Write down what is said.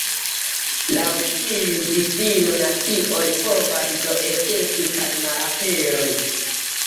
Laŭ tiu difino nacioj povas do ekesti kaj malaperi.